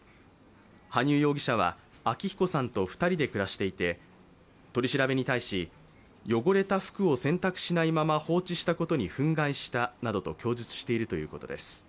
羽生容疑者は昭彦さんと２人で暮らしていて取り調べに対し、汚れた服を洗濯しないまま放置したことに憤慨したなどと供述しているということです。